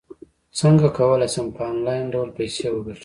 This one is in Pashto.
څنګه کولی شم په انلاین ډول پیسې وګټم